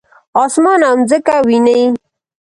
اسمان او مځکه وینې؟